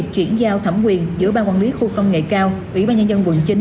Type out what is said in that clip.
chuyển giao thẩm quyền giữa ban quản lý khu công nghệ cao ủy ban nhân dân quận chín